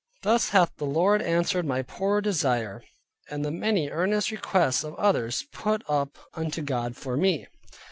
Thus hath the Lord answered my poor desire, and the many earnest requests of others put up unto God for me.